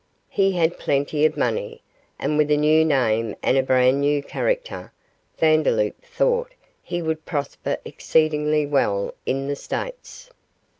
He had plenty of money, and with a new name and a brand new character, Vandeloup thought he would prosper exceedingly well in the States.